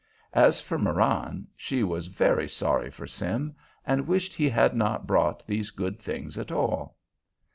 As for Marann, she was very sorry for Sim, and wished he had not brought these good things at all.